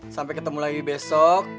sampai ketemu lagi besok